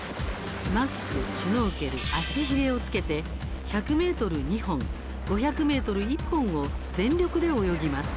マスク、シュノーケル足ヒレをつけて、１００ｍ２本５００ｍ１本を全力で泳ぎます。